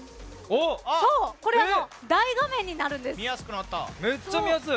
大画面になるんです。